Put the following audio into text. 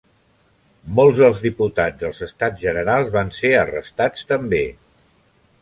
Molts dels diputats dels Estats Generals van ser arrestats també.